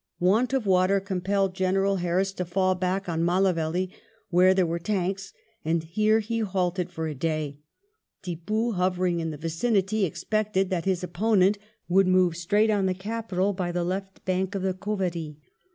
Want of water compelled General Harris to fall back on Mallavelly, where there were tanks, and here he halted for a day. Tippoo, hovering in the vicinity, expected that his opponent would move straight on the capital by the left bank of the Cauvery.